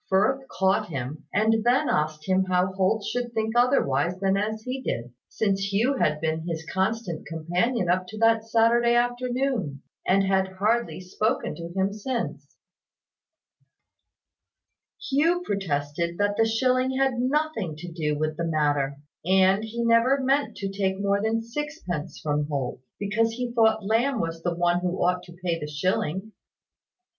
Firth caught him; and then asked him how Holt should think otherwise than as he did, since Hugh had been his constant companion up to that Saturday afternoon, and had hardly spoken to him since. Hugh protested that the shilling had nothing to do with the matter; and he never meant to take more than sixpence from Holt, because he thought Lamb was the one who ought to pay the shilling.